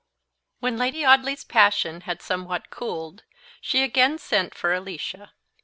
When Lady Audley's passion had somewhat cooled, she again sent for Alicia.